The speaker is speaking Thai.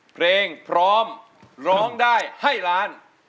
เพลงพร้อมร้องได้ให้ล้าน